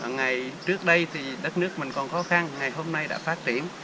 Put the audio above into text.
ngày trước đây thì đất nước mình còn khó khăn ngày hôm nay đã phát triển